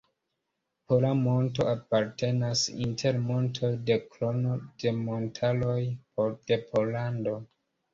Pola monto apartenas inter montoj de Krono de montaroj de Pollando.